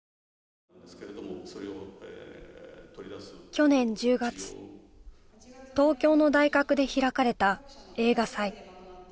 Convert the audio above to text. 去年１０月東京の大学で開かれた映画祭